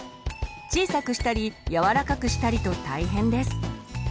小さくしたり柔らかくしたりと大変です。